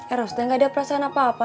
eros dan gak ada perasaan apa apa